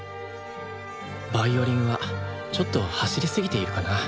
ヴァイオリンはちょっと走りすぎているかな。